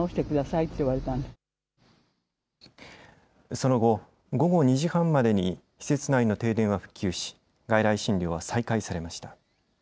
その後、午後２時半までに施設内の停電は復旧し外来診療は再開されました。